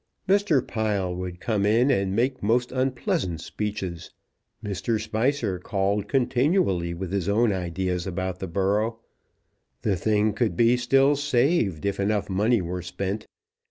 Mr. Pile would come in, and make most unpleasant speeches. Mr. Spicer called continually, with his own ideas about the borough. The thing could be still saved if enough money were spent.